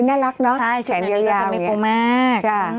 ใช่ชุดแนวนี้จะมีปุมาก